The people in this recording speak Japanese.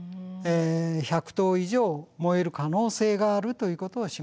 １００棟以上燃える可能性があるということを示しています。